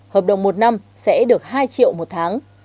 hợp đồng một năm sẽ được hai triệu một tháng